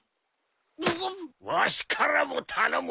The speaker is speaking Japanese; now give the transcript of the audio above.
わしからも頼む。